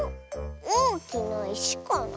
おおきないしかな？